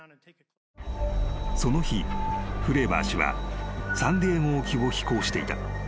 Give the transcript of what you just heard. ［その日フレイバー氏はサンディエゴ沖を飛行していた］